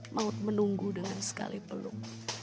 maut menunggu dengan sekali peluk